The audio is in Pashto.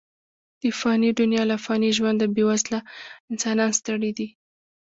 د فاني دنیا له فاني ژونده، بې وزله انسانان ستړي دي.